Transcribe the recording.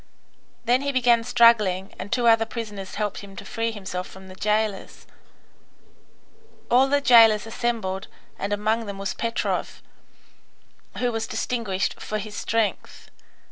Then he began struggling, and two other prisoners helped him to free himself from the jailers. All the jailers assembled, and among them was Petrov, who was distinguished for his strength.